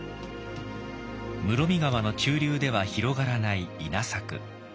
室見川の中流では広がらない稲作。